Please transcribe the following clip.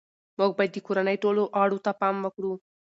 موږ باید د کورنۍ ټولو غړو ته پام وکړو